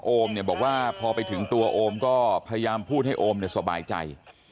โอมเนี่ยบอกว่าพอไปถึงตัวโอมก็พยายามพูดให้โอมสบายใจ